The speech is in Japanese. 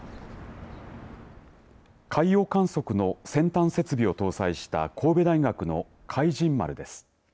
海洋観測の先端設備を搭載した神戸大学の海神丸です。